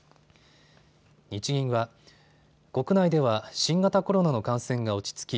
日銀は国内では新型コロナの感染が落ち着き